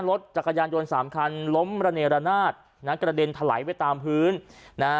รถจักรยานยนต์สามคันล้มระเนรนาศนะกระเด็นถลายไปตามพื้นนะฮะ